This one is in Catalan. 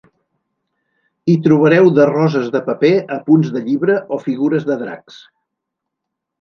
Hi trobareu de roses de paper a punts de llibre o figures de dracs.